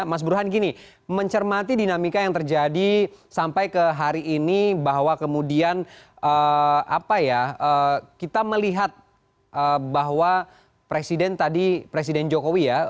mas burhan gini mencermati dinamika yang terjadi sampai ke hari ini bahwa kemudian kita melihat bahwa presiden tadi presiden jokowi ya